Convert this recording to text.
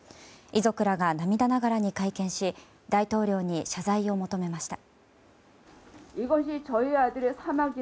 遺族らが涙ながらに会見し大統領に謝罪を求めました。